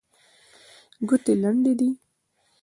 ګوتې لنډې دي.